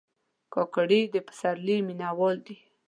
کاکړي د پسرلي مینهوال دي.